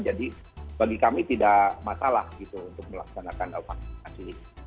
jadi bagi kami tidak masalah untuk melaksanakan vaksinasi